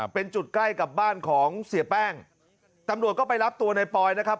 เป็นจุดใกล้กับบ้านของเสียแป้งตำรวจก็ไปรับตัวในปอยนะครับ